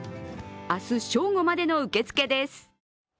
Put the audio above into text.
明日正午までの受け付けです。